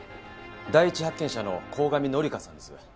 第一発見者の鴻上紀香さんです。